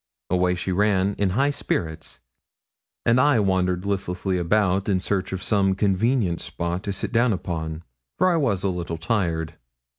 Away she ran, in high spirits, and I wandered listlessly about in search of some convenient spot to sit down upon, for I was a little tired.